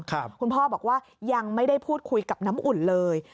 คุณพ่อบอกว่ายังไม่ได้พูดคุยกับน้ำอุ่นเลย